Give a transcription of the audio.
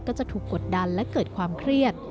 ก็จะถูกกดดันและเกิดความเครียด